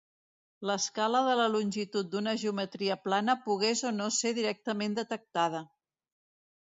L'escala de la longitud d'una geometria plana pogués o no ser directament detectada.